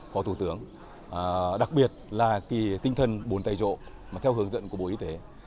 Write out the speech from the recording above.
có thủ tướng đặc biệt là tinh thần bốn tay trộm theo hướng dẫn của bộ y tế